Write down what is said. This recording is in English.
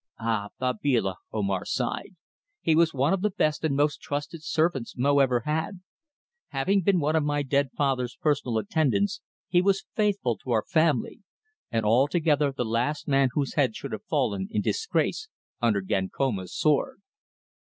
"Ah! Babila," Omar sighed. "He was one of the best and most trusted servants Mo ever had. Having been one of my dead father's personal attendants he was faithful to our family, and altogether the last man whose head should have fallen in disgrace under Gankoma's sword."